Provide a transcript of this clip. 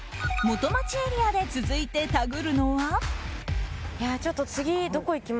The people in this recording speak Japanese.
元町エリアで続いてタグるのは？